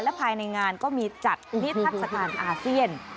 ภายในงานก็มีจัดนิทัศกาลอาเซียน